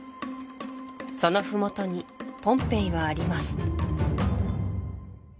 その麓にポンペイはあります